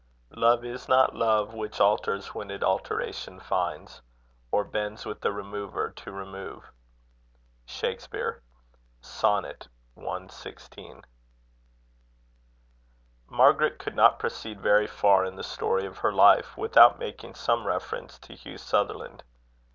Love is not love Which alters when it alteration finds, Or bends with the remover to remove. SHAKSPERE. Sonnet cxvi. Margaret could not proceed very far in the story of her life, without making some reference to Hugh Sutherland.